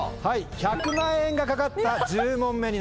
１００万円が懸かった１０問目になります。